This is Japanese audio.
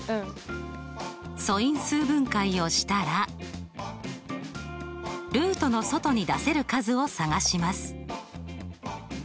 素因数分解をしたらルートの外に出せる数を探します。